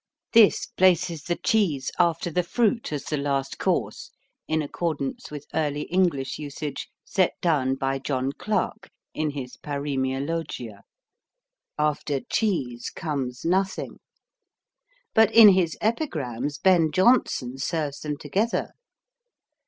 This places the cheese after the fruit, as the last course, in accordance with early English usage set down by John Clarke in his Paroemiologia: After cheese comes nothing. But in his Epigrams Ben Jonson serves them together.